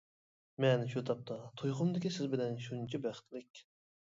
مەن شۇ تاپتا تۇيغۇمدىكى سىز بىلەن شۇنچە بەختلىك.